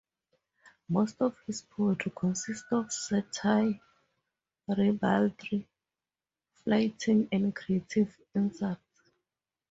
Most of his poetry consist of Satire, Ribaldry, Flyting and creative insults.